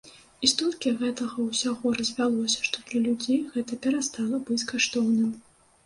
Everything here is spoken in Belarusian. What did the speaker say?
І столькі гэтага ўсяго развялося, што для людзей гэта перастала быць каштоўным.